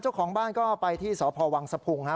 เจ้าของบ้านก็ไปที่สพวังสะพุงฮะ